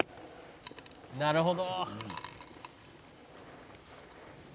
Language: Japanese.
「なるほど！」